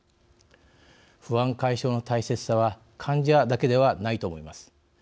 不安解消の大切さは患者だけではないと思います。